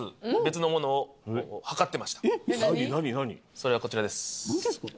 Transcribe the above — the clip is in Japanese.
それがこちらです。